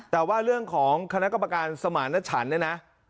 แต่ว่าเรื่องของคณะกรรมการสมารณชันเนี่ยนะ